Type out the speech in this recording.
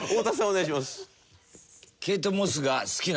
お願いします。